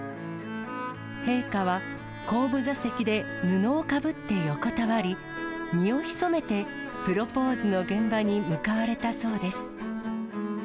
陛下は、後部座席で布をかぶって横たわり、身を潜めてプロポーズの現場に向かわれたそうです。